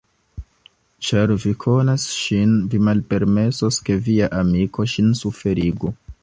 Ĉar vi konas ŝin, vi malpermesos, ke via amiko ŝin suferigu.